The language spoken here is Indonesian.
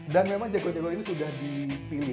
dan memang jagoan jagoan ini sudah dipilih